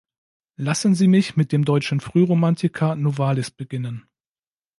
Lassen Sie mich mit dem deutschen Frühromantiker Novalis beginnen.